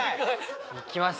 いきます